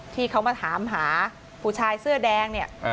ที่เขามาถามหาผู้ชายเสื้อแดงเนี่ย